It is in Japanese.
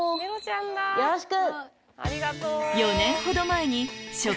よろしく！